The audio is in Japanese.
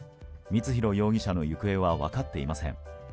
光弘容疑者の行方は分かっていません。